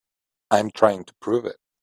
I'm trying to prove it.